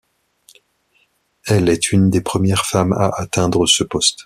Elle est une des premières femmes à atteindre ce poste.